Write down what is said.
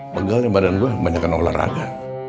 padahal badan gue kebanyakan olahraga